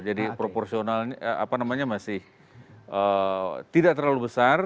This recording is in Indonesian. jadi proporsionalnya masih tidak terlalu besar